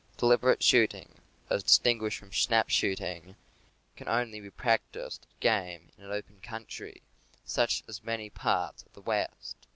Deliberate shooting, as distinguished from snap shooting, can often be practiced at game in an open country, such as many parts of the West.